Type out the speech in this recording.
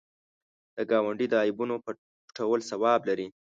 د ګاونډي د عیبونو پټول ثواب لري